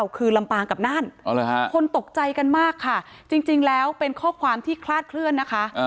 คือลำปางกับน่านคนตกใจกันมากค่ะจริงแล้วเป็นข้อความที่คลาดเคลื่อนนะคะ